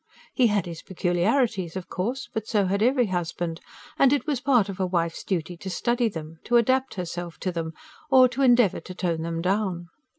He had his peculiarities, of course; but so had every husband; and it was part of a wife's duty to study them, to adapt herself to them, or to endeavour to tone them down.